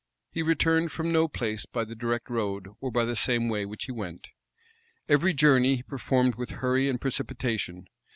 He returned from no place by the direct road, or by the same way which he went. Every journey he performed with hurry and precipitation.